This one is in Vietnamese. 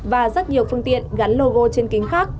và rất nhiều phương tiện gắn logo trên kính khác